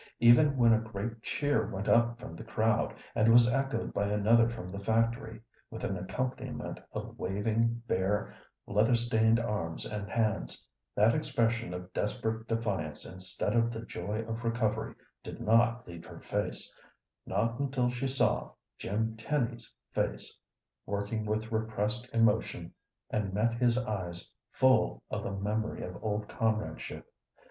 Even when a great cheer went up from the crowd, and was echoed by another from the factory, with an accompaniment of waving bare, leather stained arms and hands, that expression of desperate defiance instead of the joy of recovery did not leave her face, not until she saw Jim Tenny's face working with repressed emotion and met his eyes full of the memory of old comradeship.